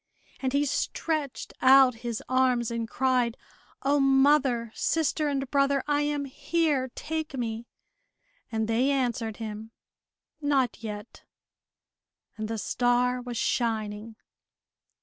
And he stretched out his arms and cried, "O, mother, sister, and brother, I am here! Take me!" And they answered him, "Not yet," and the star was shining.